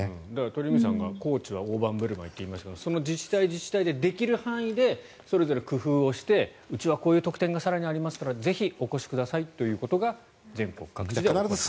鳥海さんは大盤振る舞いと言いますがその自治体でできる範囲でそれぞれ工夫をしてうちはこういう特典が更にありますからぜひお越しくださいということが全国各地で。